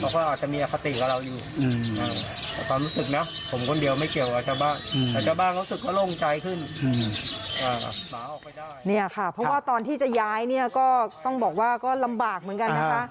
เนี่ยค่ะเพราะว่าตอนที่จะย้ายเนี่ยก็ต้องบอกว่าก็ลำบากเหมือนกันนะคะ